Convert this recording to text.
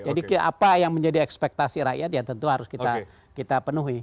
jadi apa yang menjadi ekspektasi rakyat ya tentu harus kita penuhi